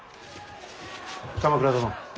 鎌倉殿。